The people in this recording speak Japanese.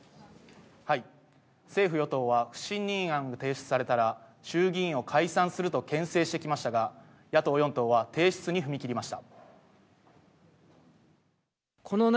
政府与党は不信任案が提出されたら衆議院を解散すると牽制してきましたが、野党４党は提出に踏み切りました。